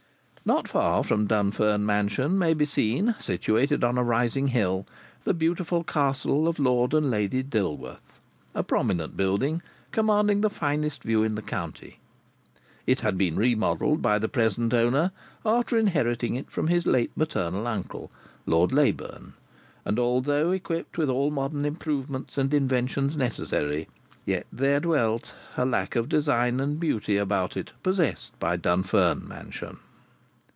Not far from Dunfern Mansion may be seen situated on a rising hill the beautiful Castle of Lord and Lady Dilworth, a prominent building commanding the finest view in the county. It had been remodelled by the present owner, after inheriting it from his late maternal uncle Lord Leyburn; and, although equipped with all modern improvements and inventions necessary, yet there dwelt a lack of design and beauty about it possessed by Dunfern Mansion.